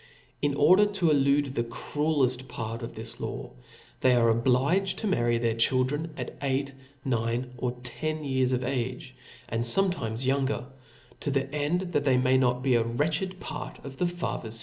In order to elude; the cruelleft part of this law, they are obliged to marry their children at eight, nine, or ten years of age, apd fometimts younger, to the end that they may not be a wretched part of the father's fucceflSon.